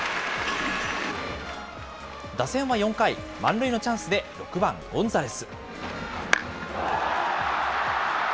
打線は４回、満塁のチャンスで６番ゴンザレス。